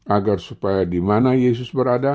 agar supaya di mana yesus berada